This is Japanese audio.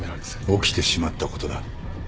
起きてしまったことだ。